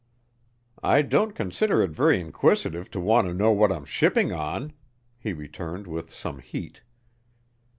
"I don't consider it very inquisitive to want to know what I'm shipping on," he returned with some heat.